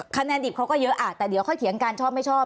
คะแนนดิบเขาก็เยอะแต่เดี๋ยวค่อยเถียงกันชอบไม่ชอบ